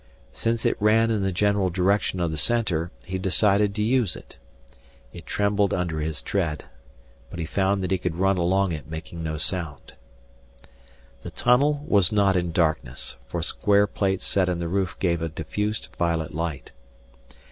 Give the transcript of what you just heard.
Since it ran in the general direction of the Center he decided to use it. It trembled under his tread, but he found that he could run along it making no sound. The tunnel was not in darkness, for square plates set in the roof gave a diffused violet light.